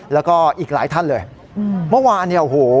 แล้วก็อีกหลายท่านเลยอื้อเมื่อวานเนี้ย